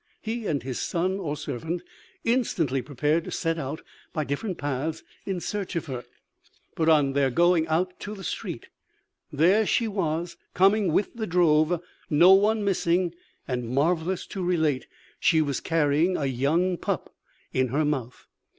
He and his son, or servant, instantly prepared to set out by different paths in search of her; but, on their going out to the street, there was she coming with the drove, no one missing; and, marvellous to relate, she was carrying a young pup in her mouth!